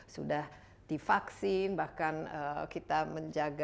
sudah divaksin bahkan kita menjaga